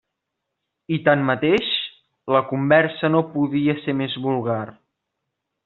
I tanmateix, la conversa no podia ser més vulgar.